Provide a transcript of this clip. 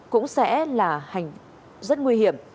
cũng sẽ là hành rất nguy hiểm